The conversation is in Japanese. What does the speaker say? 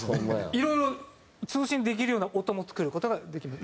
いろいろ通信できるような音も作る事ができます。